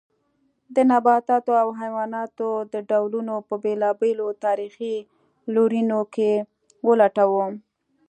د نباتاتو او حیواناتو د ډولونو په بېلابېلو تاریخي لورینو کې ولټوو.